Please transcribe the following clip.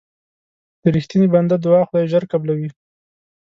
د رښتیني بنده دعا خدای ژر قبلوي.